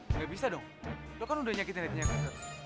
enggak bisa dong lo kan udah nyakitin hatinya kak